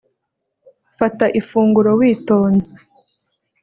Fata ifunguro witonze